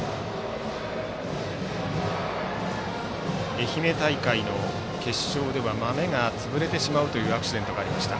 愛媛大会の決勝ではまめが潰れてしまうというアクシデントがありました。